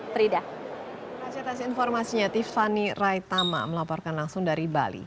terima kasih atas informasinya tiffany raitama melaporkan langsung dari bali